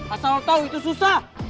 asal lo tau itu susah